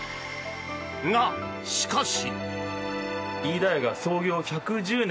が、しかし。